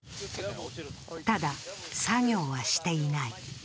ただ、作業はしていない。